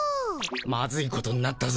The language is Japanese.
マズいことになったぞ